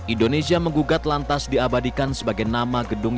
indonesia menggugat lantas diabadikan sebagai nama gedung